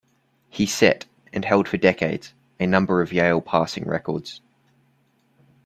He set, and held for decades, a number of Yale passing records.